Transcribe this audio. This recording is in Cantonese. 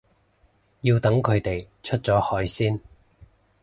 要等佢哋出咗海先